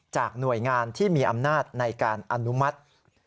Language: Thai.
หน่วยงานที่มีอำนาจในการอนุมัติ